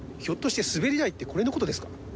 ひょっとしてスベリ台ってこれの事ですか？